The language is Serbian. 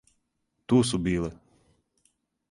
Ту су биле.